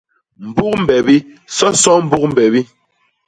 Mbuk mbebi; soso mbuk mbebi.